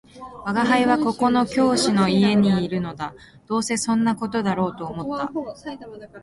「吾輩はここの教師の家にいるのだ」「どうせそんな事だろうと思った